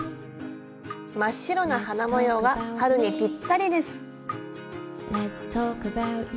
真っ白な花模様が春にぴったりです。